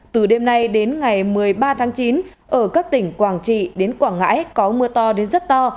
từ đêm nay đến ngày một mươi ba tháng chín ở các tỉnh quảng trị đến quảng ngãi có mưa to đến rất to